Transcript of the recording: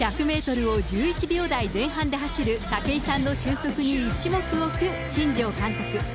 １００メートルを１１秒台前半で走る武井さんの俊足に一目置く新庄監督。